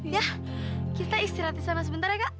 ya kita istirahat di sana sebentar ya kak